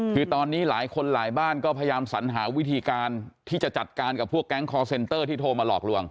คือตอนนี้หลายคนหลายบ้านก็พยายามสัญหาวิธีการที่จะจัดการกับพวกแก๊งคอร์เซ็นเตอร์ที่โทรมาหลอกลวง